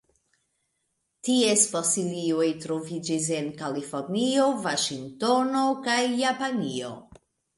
Ties fosilioj troviĝis en Kalifornio, Vaŝingtono kaj Japanio.